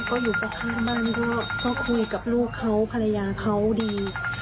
เฮ้ยอยู่ทางบ้านเขาก็คุยกับลูกเขาภรรยาเขาดี